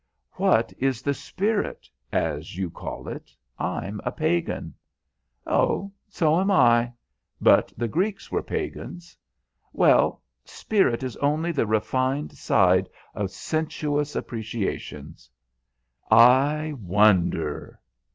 "What is the spirit, as you call it? I'm a pagan." "Oh, so am I. But the Greeks were pagans." "Well, spirit is only the refined side of sensuous appreciations." "I wonder!"